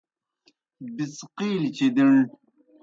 بِڅقِیلِیْ چِدِن